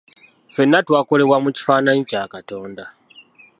Fenna twakolebwa mu kifaananyi kya Katonda.